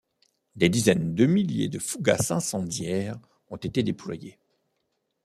Des dizaines de milliers de fougasses incendiaires ont été déployées.